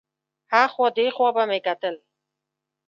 ها خوا دې خوا به مې کتل.